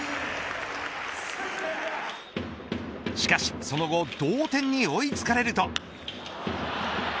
しかしその後同点に追いつかれると。